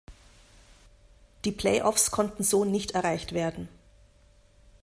Die Play-offs konnten so nicht erreicht werden.